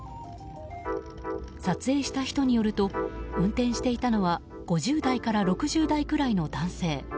撮影した人によると運転していたのは５０代から６０代くらいの男性。